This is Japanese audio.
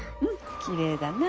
きれいだな。